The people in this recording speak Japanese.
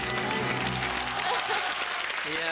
いや。